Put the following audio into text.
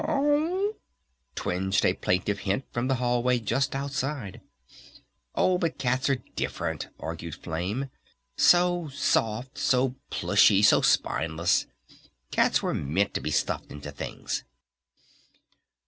"Me o w," twinged a plaintive hint from the hallway just outside. "Oh, but cats are different," argued Flame. "So soft, so plushy, so spineless! Cats were meant to be stuffed into things."